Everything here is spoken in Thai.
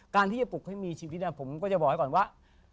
การที่จะปลุกให้มีชีวิตผมก็จะบอกให้ก่อนว่า